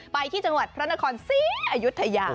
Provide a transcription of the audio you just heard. ไปที่จังหวัดพระนครศรีอยุธยา